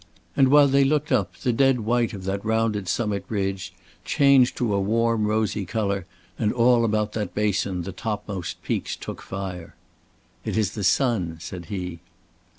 And while they looked up the dead white of that rounded summit ridge changed to a warm rosy color and all about that basin the topmost peaks took fire. "It is the sun," said he.